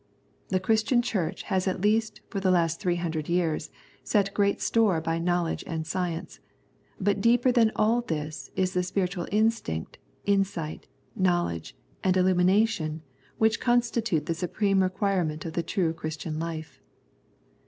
The Christian Church has at least for the last three hundred years set great store by knowledge and science, but deeper than all this is the spiritual instinct, insight, know ledge, and illumination which constitute the supreme requirement of the true Christian life.